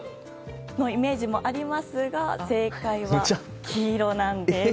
そのイメージもありますが正解は黄色です。